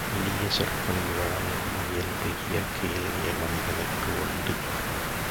இனிய சொற்களை வழங்கும் இயல்பு இயற்கையிலேயே மனிதனுக்கு உண்டு.